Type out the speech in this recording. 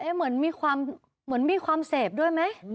เหมือนมีความเสพด้วยไหม